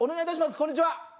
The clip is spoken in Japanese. こんにちは。